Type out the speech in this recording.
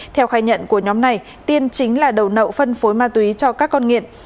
theo khai nhận của nhóm này tiên chính là đầu nậu phân phối ma túy cho các con nghiện